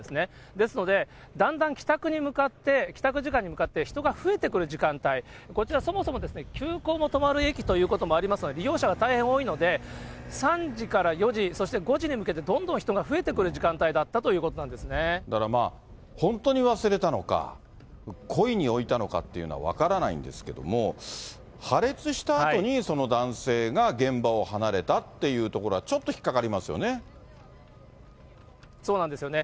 ですので、だんだん帰宅に向かって、帰宅時間に向かって人が増えてくる時間帯、こちらそもそも急行も止まる駅ということでもありますので、利用者が大変多いので、３時から４時、そして、５時に向けてどんどん人が増えてくる時間帯だったということなんだからまあ、本当に忘れたのか、故意に置いたのかっていうのは分からないんですけども、破裂したあとにその男性が現場を離れたっていうところはちょっとそうなんですよね。